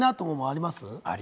あります。